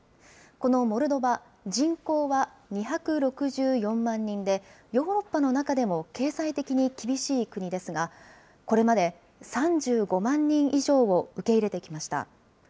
このモルドバ、人口は２６４万人で、ヨーロッパの中でも経済的に厳しい国ですが、これまで３５万人以上を受け入れてきました。